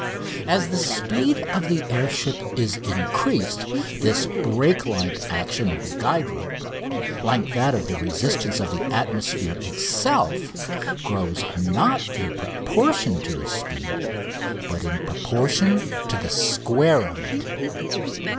As the speed of the air ship is increased this brake like action of the guide rope (like that of the resistance of the atmosphere itself) grows, not in proportion to the speed, but in proportion to the square of it.